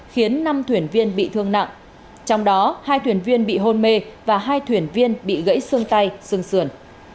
khiến năm thuyền viên bị thương nặng trong đó hai thuyền viên bị hôn mê và hai thuyền viên bị gãy xương tay xương sườn